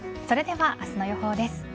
それでは明日の予報です。